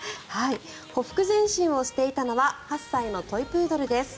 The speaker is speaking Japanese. ほふく前進をしていたのは８歳のトイプードルです。